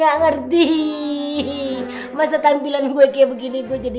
gue rasa itu hasil analisa lo tuh salah